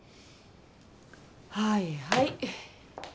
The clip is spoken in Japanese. はいはい。